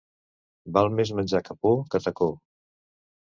Val més menjar capó que tacó.